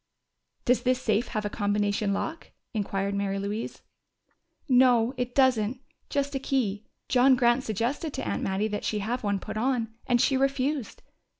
"Does this safe have a combination lock?" inquired Mary Louise. "No, it doesn't. Just a key. John Grant suggested to Aunt Mattie that she have one put on, and she refused.